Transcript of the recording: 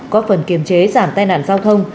có phần kiềm chế giảm tai nạn giao thông